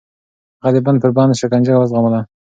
هغه د بند پر بند شکنجه وزغمله.